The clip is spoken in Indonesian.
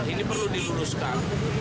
ini perlu diluruskan